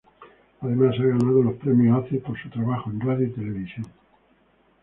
Además, ha ganado los premios Ace por su trabajo en radio y televisión.